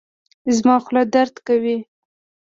زما خوله درد کوي